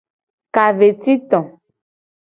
Ka ve ci to.